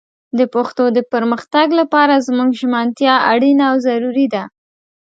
د پښتو د پرمختګ لپاره زموږ ژمنتيا اړينه او ضروري ده